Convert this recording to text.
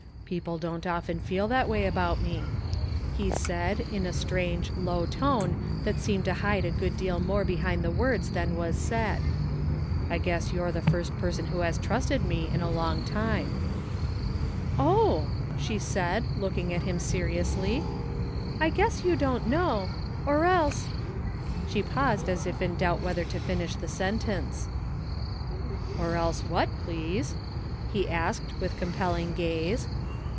" People don't often feel that way about me," he said in a strange low tone that seemed to hide a good deal more behind the words than was said. " I guess you're the first person who has trusted me in a long time.'* " Oh," she said, looking at him seriously, " I guess 4 49 THE FINDING OF JASPER HOLT you don't know— or else —'* she paused as if in doubt whether to finish the sentence. " Or else what, please? " he asked with compelling gaze.